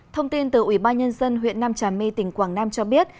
thông tin từ ủy ban nhân dân huyện nam trà my tỉnh quảng nam cho biết